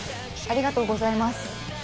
ありがとうございます。